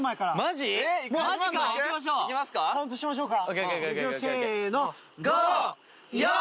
マジ⁉カウントしましょうか。